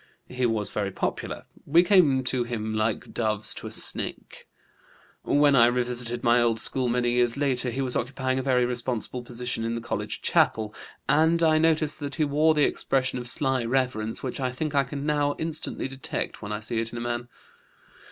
He was very popular; we came to him like doves to a snake. When I revisited my old school many years later he was occupying a very responsible position in the college chapel, and I noticed that he wore that expression of sly reverence which I think I can now instantly detect when I see it in a man.